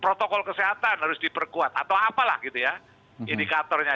protokol kesehatan harus diperkuat atau apalah gitu ya indikatornya